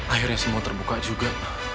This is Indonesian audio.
akhirnya semua terbuka juga